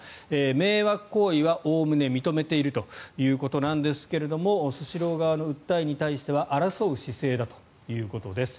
迷惑行為はおおむね認めているということですがスシロー側の訴えに対しては争う姿勢だということです。